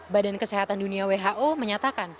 badan kesehatan dunia who menyatakan